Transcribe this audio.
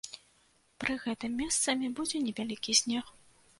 Пры гэтым месцамі будзе невялікі снег.